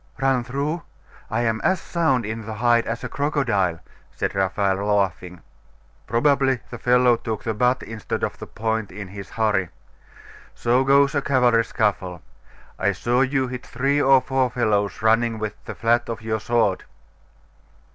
'Run through? I am as sound in the hide as a crocodile, said Raphael, laughing. 'Probably the fellow took the butt instead of the point, in his hurry. So goes a cavalry scuffle. I saw you hit three or four fellows running with the flat of your sword.